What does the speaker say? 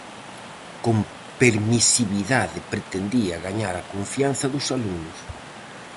Con permisividade pretendía gañar a confianza dos alumnos.